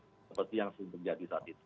seperti yang terjadi saat itu